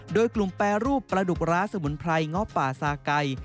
โดยกลุ่มแปรรูปปลาดุกร้าสมุนไพรง้อป่าซาไก่